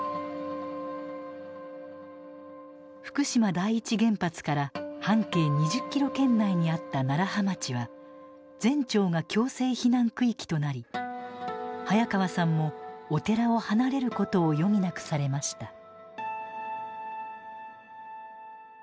福島第一原発から半径２０キロ圏内にあった楢葉町は全町が強制避難区域となり早川さんもお寺を離れることを余儀なくされました。